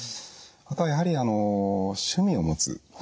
あとはやはり趣味を持つ。